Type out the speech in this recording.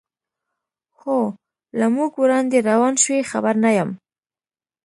هو، له موږ وړاندې روان شوي، خبر نه یم.